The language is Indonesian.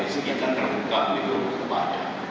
kita terbuka lebih berpengaruh